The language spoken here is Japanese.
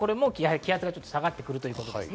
気圧が下がってくるということです。